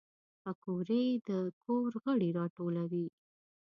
پکورې د کور غړي راټولوي